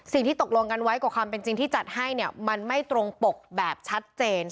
สิ่งที่ตกลงกันไว้กว่าความเป็นจริงที่จัดให้เนี่ยมันไม่ตรงปกแบบชัดเจน